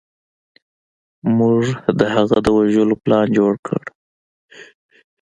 موږ د هغه د وژلو پلان جوړ کړ.